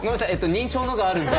認証のがあるんで。